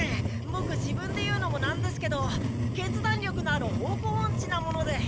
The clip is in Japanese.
ボク自分で言うのもなんですけど決断力のある方向オンチなもので。